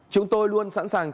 chúng tôi luôn sẵn sàng